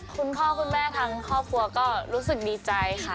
คุณพ่อคุณแม่ทางครอบครัวก็รู้สึกดีใจค่ะ